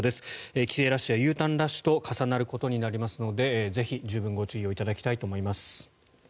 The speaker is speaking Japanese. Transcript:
帰省ラッシュやＵターンラッシュと重なることになりますのでぜひ十分ご注意いただきたいと思います。